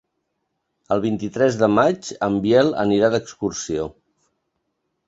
El vint-i-tres de maig en Biel anirà d'excursió.